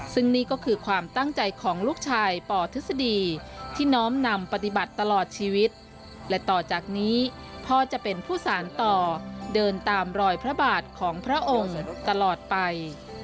ซึ่งนี่ก็คือความตั้งใจของลูกชายปทฤษฎีที่น้อมนำปฏิบัติตลอดชีวิตและต่อจากนี้พ่อจะเป็นผู้สารต่อเดินตามรอยพระบาทของพระองค์ตลอดไป